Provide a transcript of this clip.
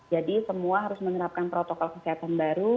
jadi semua harus menerapkan protokol kesehatan baru